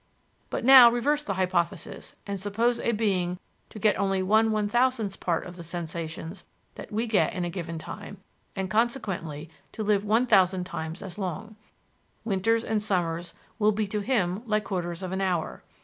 But now reverse the hypothesis and suppose a being to get only one 1,000th part of the sensations that we get in a given time, and consequently to live 1,000 times as long. Winters and summers will be to him like quarters of an hour.